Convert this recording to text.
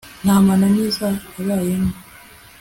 ntamananiza abayemo